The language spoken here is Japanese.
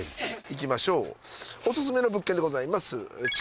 行きましょうオススメの物件でございます。